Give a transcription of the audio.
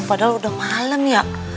padahal udah malem ya